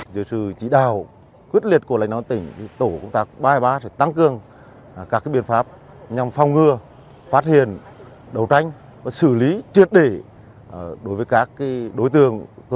điều tình huống mà lực lượng ba trăm bảy mươi ba công an nghệ an phát hiện và xử lý hiệu quả trong thời gian qua